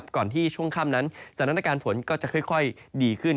ก่อนที่ช่วงค่ำนั้นสถานการณ์ฝนก็จะค่อยดีขึ้น